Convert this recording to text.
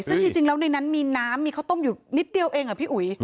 ซึ่งจริงแล้วในนั้นมีน้ำมีข้าวต้มอยู่นิดเดียวเองเหรอพี่อุ๋ย